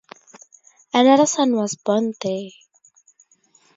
Another son was born there.